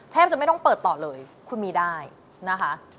จะไม่ต้องเปิดต่อเลยคุณมีได้นะคะ